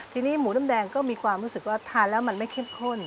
ทีนี้หมูน้ำแดงก็มีความรู้สึกว่าทานแล้วมันไม่เข้มข้น